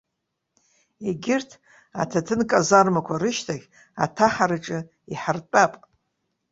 Егьырҭ аҭаҭын казармақәа рышьҭахь аҭаҳараҿы иҳартәап.